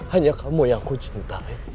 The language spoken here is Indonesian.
hanya kamu yang aku cintai